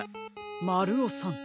まるおさん。